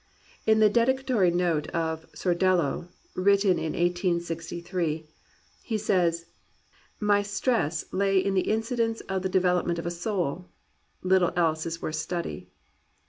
In the dedicatory note to Sordello, written in 1863, he says "My stress lay in the incidents in the de velopment of a soul; little else is worth study."